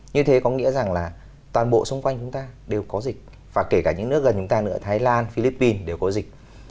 như thế có nghĩa rằng là toàn bộ xung quanh chúng ta đều có dịch và kể cả những nước gần chúng ta nữa thái lan philippines đều có dịch